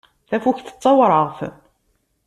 Tafukt d tawraɣt.